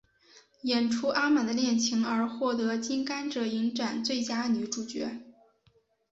演出阿满的恋情而获得金甘蔗影展最佳女主角。